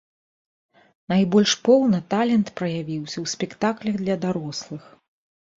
Найбольш поўна талент праявіўся ў спектаклях для дарослых.